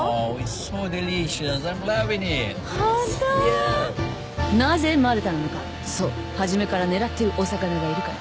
そう初めから狙ってるオサカナがいるから。